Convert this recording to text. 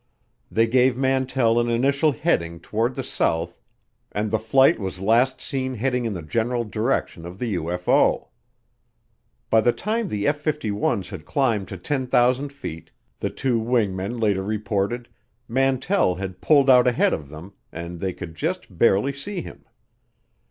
They gave Mantell an initial heading toward the south and the flight was last seen heading in the general direction of the UFO. By the time the F 51's had climbed to 10,000 feet, the two wing men later reported, Mantell had pulled out ahead of them and they could just barely see him.